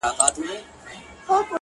ستا په ترخو ساګانو غم د يو سړي هيروم